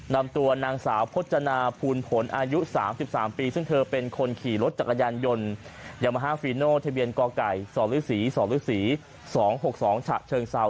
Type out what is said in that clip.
นำตัวนางสาวพจนาภูลผลอายุ๓๓ปีซึ่งเธอเป็นคนขี่รถจักรยานยนต์ยามาฮาฟีโนทะเบียนกไก่สรศรีสฤษี๒๖๒ฉะเชิงเซา